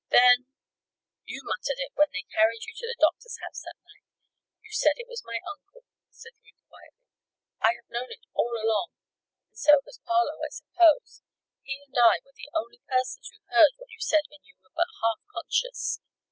"Then " "You muttered it when they carried you to the doctor's house that night. You said it was my uncle," said Ruth, quietly. "I have known it all along, and so has Parloe, I suppose. He and I were the only persons who heard what you said when you were but half conscious.